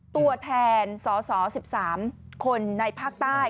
ตัวแทนสส๑๓คนในภาคใต้